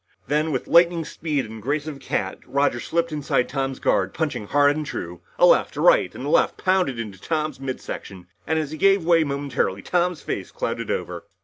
Then with lightning speed and the grace of a cat, Roger slipped inside Tom's guard, punching hard and true. A left, a right and a left pounded into Tom's mid section, and as he gave way momentarily Tom's face clouded over.